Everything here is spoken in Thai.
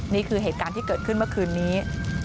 นี่คือเหตุการณ์ที่เกิดขึ้นเมื่อคืนนี้